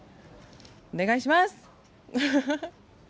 お願いします。